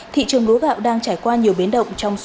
thị trường lúa gạo đang trải qua nhiều biến động